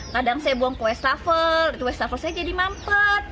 kadang saya buang kue stafel kue stafel saya jadi mampu